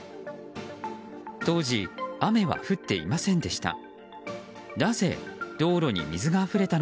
当時、雨は降っていませんでした。